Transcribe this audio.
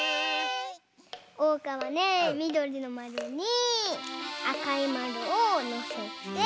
おうかはねみどりのまるにあかいまるをのせて。